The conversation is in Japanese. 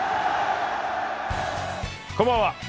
こんばんは。